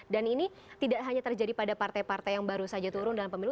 dan ini tidak hanya terjadi pada partai partai yang baru saja turun dalam pemilu